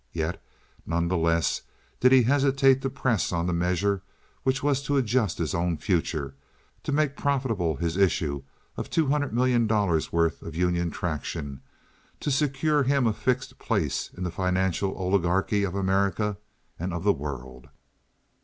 Yet none the less did he hesitate to press on the measure which was to adjust his own future, to make profitable his issue of two hundred million dollars' worth of Union Traction, to secure him a fixed place in the financial oligarchy of America and of the world.